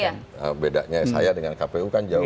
yang bedanya saya dengan kpu kan jauh